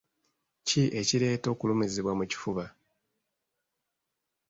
Ki ekireetera okulumizibwa mu kifuba?